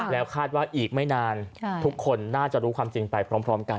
แล้วคาดว่าอีกไม่นานทุกคนน่าจะรู้ความจริงไปพร้อมกัน